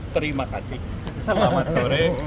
terima kasih selamat sore